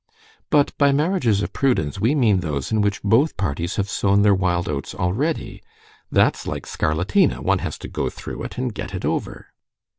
"But by marriages of prudence we mean those in which both parties have sown their wild oats already. That's like scarlatina—one has to go through it and get it over."